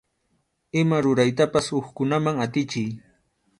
Ima ruraytapas hukkunaman atichiy.